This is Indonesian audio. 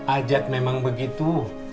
ajat memang begitu